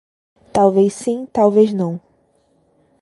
Talvez sim, talvez não.